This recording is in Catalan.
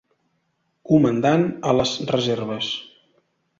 Comandant a les reserves.